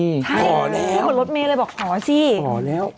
ใช่พี่บนรถเมย์เลยบอกขอสิขอแล้ว